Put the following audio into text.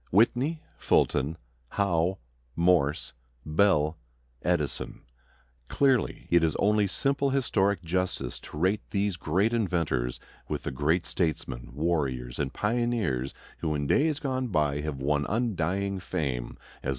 Whitney, Fulton, Howe, Morse, Bell, Edison, clearly it is only simple historic justice to rate these great inventors with the great statesmen, warriors, and pioneers who in days gone by have won undying fame as makers of the American republic.